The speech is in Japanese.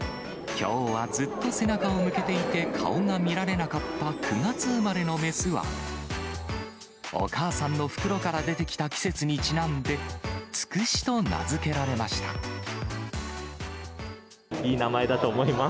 きょうはずっと背中を向けていて顔が見られなかった９月生まれの雌は、お母さんの袋から出てきた季節にちなんで、つくしと名付けられまいい名前だと思います。